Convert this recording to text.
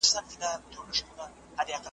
ولاړم د زلمیو شپو له ټاله څخه ولوېدم .